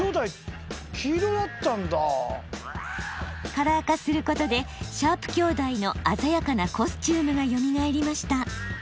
カラー化することでシャープ兄弟の鮮やかなコスチュームがよみがえりました。